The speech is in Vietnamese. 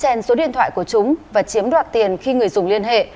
chèn số điện thoại của chúng và chiếm đoạt tiền khi người dùng liên hệ